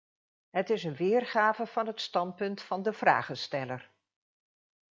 Het is een weergave van het standpunt van de vragensteller.